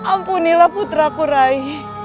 ampunilah putraku rai